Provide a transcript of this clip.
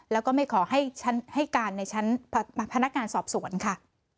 แล้วก็ไม่ขอให้การในชั้นพนักการสอบสวนค่ะ